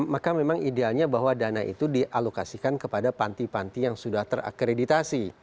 maka memang idealnya bahwa dana itu dialokasikan kepada panti panti yang sudah terakreditasi